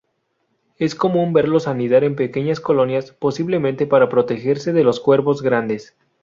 Es común verlos anidar en pequeñas colonias, posiblemente para protegerse de los cuervos grandes.